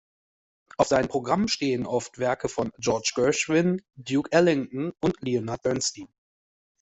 Auf seinen Programmen stehen oft Werke von George Gershwin, Duke Ellington und Leonard Bernstein.